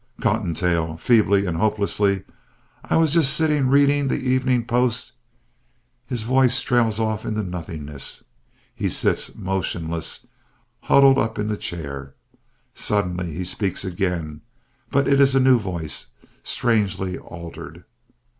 COTTONTAIL (feebly and hopelessly) I was just sitting, reading The Evening Post (_his voice trails off into nothingness. He sits motionless, huddled up in the chair. Suddenly he speaks again, but it is a new voice, strangely altered.